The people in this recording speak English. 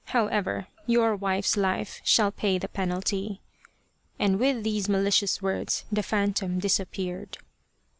However, your wife's life shall pay the penalty," and with these malicious words the phantom disappeared.